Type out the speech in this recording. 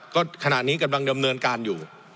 ก็ขณะนี้กำลังดำเนินการอยู่